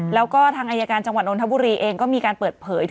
แล้วก็ทางอายการจังหวัดนทบุรีเองก็มีการเปิดเผย